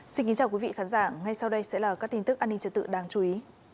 xin kính chào quý vị khán giả ngay sau đây sẽ là các tin tức an ninh trật tự đáng chú ý